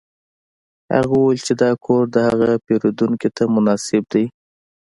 هغه وویل چې دا کور د هغه پیرودونکي ته مناسب دی